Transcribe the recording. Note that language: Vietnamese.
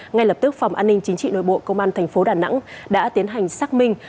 ngay lập tức phòng an ninh chính trị nội bộ công an thành phố đà nẵng đã tiến hành xác minh